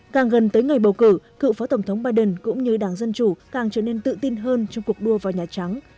càng gần tới ngày bầu cử cựu phó tổng thống biden cũng như đảng dân chủ càng trở nên tự tin hơn trong cuộc đua vào nhà trắng